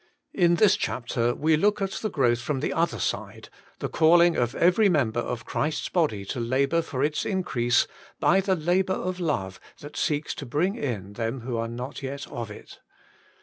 In this chapter we look at the growth from the other side — the call 86 Working for God 87 ing of every member of Christ's body to labour for its increase by the labour of love that seeks to bring in them who are not yet of it.